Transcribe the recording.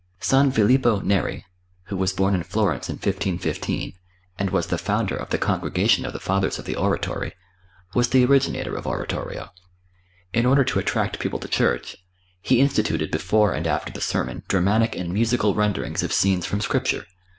San Filippo Neri, who was born in Florence in 1515, and was the founder of the Congregation of the Fathers of the Oratory, was the originator of oratorio. In order to attract people to church, he instituted before and after the sermon dramatic and musical renderings of scenes from Scripture.